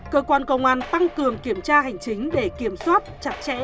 cơ quan công an tăng cường kiểm tra hành chính để kiểm soát chặt chẽ